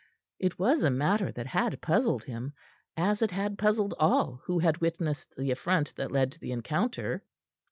It was a matter that had puzzled him, as it had puzzled all who had witnessed the affront that led to the encounter.